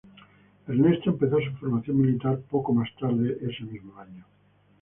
Ernesto empezó su formación militar poco más tarde ese mismo año.